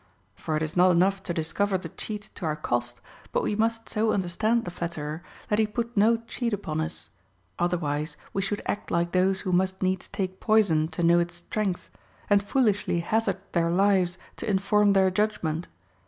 For it is not enough to discover the cheat to our cost, but we must so understand the flatterer, that he put no cheat upon us ; otherwise we should act like those who must needs take poison to know its strength, and foolishly hazard their lives to inform their judgment.